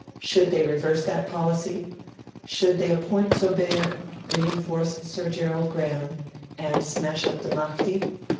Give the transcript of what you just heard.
Should they reverse that policy? Should they appoint Zobeir, reinforce Sir Gerald Graham, and smash up the Mahdi?